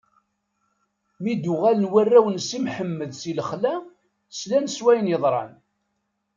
Mi d-uɣalen warraw n Si Mḥemmed si lexla, slan s wayen yeḍran.